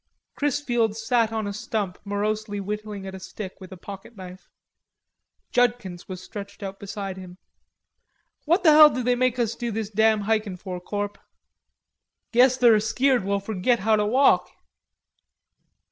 Chrisfield sat on a stump morosely whittling at a stick with a pocket knife. Judkins was stretched out beside him. "What the hell do they make us do this damn hikin' for, Corp?" "Guess they're askeered we'll forgit how to walk."